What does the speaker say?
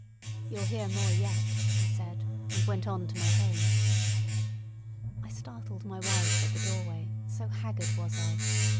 "You'll hear more yet," I said, and went on to my home. I startled my wife at the doorway, so haggard was I.